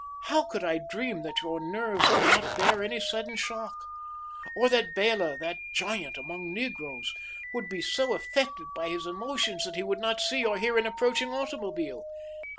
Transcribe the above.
How could I dream that your nerves could not bear any sudden shock? or that Bela that giant among negroes would be so affected by his emotions that he would not see or hear an approaching automobile?